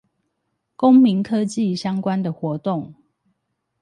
公民科技相關的活動